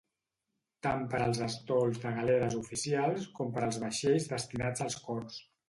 Tant per a estols de galeres oficials, com per a vaixells destinats al cors.